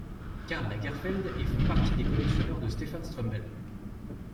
Karl Lagerfeld et font partie des collectionneurs de Stefan Strumbel.